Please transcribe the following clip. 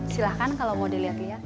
silahkan kalo mau diliat liat